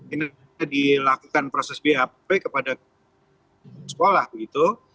ini dilakukan proses bap kepada sekolah begitu